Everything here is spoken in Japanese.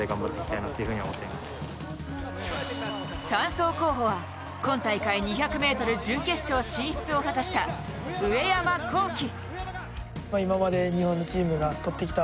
３走候補は今大会２００ｍ、準決勝進出を果たした上山紘輝。